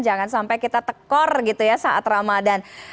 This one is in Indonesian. jangan sampai kita tekor gitu ya saat ramadan